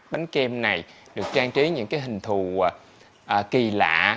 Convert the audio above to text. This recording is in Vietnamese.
bánh kem này được trang trí những cái hình thù kỳ lạ